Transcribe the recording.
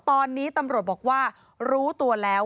ตอนนี้ตำรวจบอกว่ารู้ตัวแล้ว